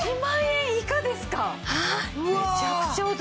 めちゃくちゃお得。